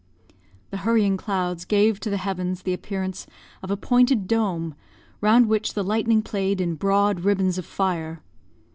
The hurrying clouds gave to the heavens the appearance of a pointed dome, round which the lightning played in broad ribbons of fire.